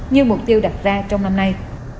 sáu năm như mục tiêu đặt ra trong năm nay